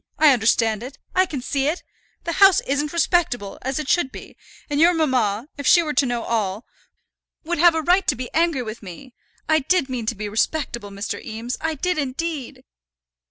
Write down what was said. I understand it. I can see it. The house isn't respectable, as it should be; and your mamma, if she were to know all, would have a right to be angry with me. I did mean to be respectable, Mr. Eames; I did indeed."